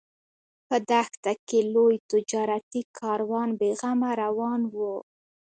په دښته کې لوی تجارتي کاروان بې غمه روان و.